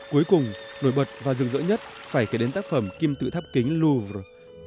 cuối cùng nổi bật và rực rỡ nhất phải kể đến tác phẩm kim tự tháp kính louvre